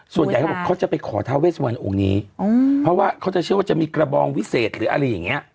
ส่วนใหญ่เขาบอกเขาจะไปขอทาเวสวันองค์นี้เพราะว่าเขาจะเชื่อว่าจะมีกระบองวิเศษหรืออะไรอย่างเงี้ย